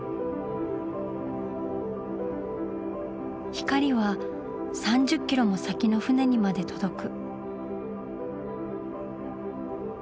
光は３０キロも先の船にまで届く。